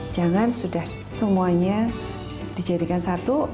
jangan sudah semuanya dijadikan satu